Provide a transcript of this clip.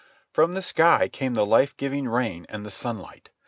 From the sky came the life giving rain and the sunlight.